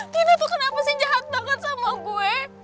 tine tuh kenapa sih jahat banget sama gue